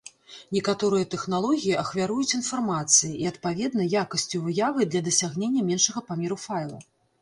Некаторыя тэхналогіі ахвяруюць інфармацыяй і, адпаведна, якасцю выявы для дасягнення меншага памеру файла.